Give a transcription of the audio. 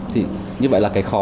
thì như vậy là cái khó